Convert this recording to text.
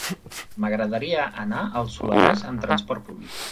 M'agradaria anar al Soleràs amb trasport públic.